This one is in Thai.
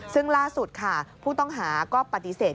ซึ่งล่าสุดค่ะผู้ต้องหาก็ปฏิเสธ